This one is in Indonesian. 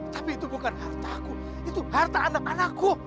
tapi itu bukan harta aku itu harta anak anakku